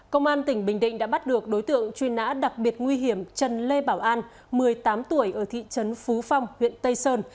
công an tỉnh bình định đã bắt được đối tượng truy nã đặc biệt nguy hiểm trần lê bảo an một mươi tám tuổi ở thị trấn phú phong huyện tây sơn